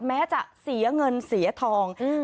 แม้จะเสียเงินเสียทอง